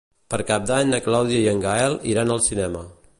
Per Cap d'Any na Clàudia i en Gaël iran al cinema.